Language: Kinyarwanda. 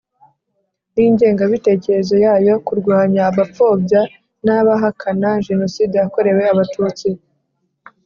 n ingengabitekerezo yayo kurwanya abapfobya n abahakana Jenoside yakorewe Abatutsi